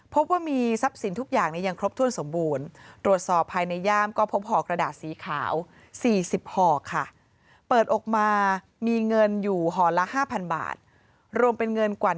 พบว่ามีทรัพย์สินทุกอย่างยังครบถ้วนสมบูรณ์